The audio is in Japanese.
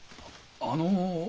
あの。